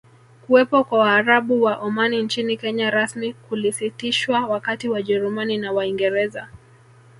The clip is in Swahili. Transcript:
Kuwepo kwa Waarabu wa Omani nchini Kenya rasmi kulisitishwa wakati Wajerumani na Waingereza